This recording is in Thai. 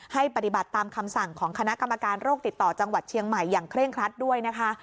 ปฏิบัติตามคำสั่งของคณะกรรมการโรคติดต่อจังหวัดเชียงใหม่อย่างเคร่งครัดด้วยนะคะ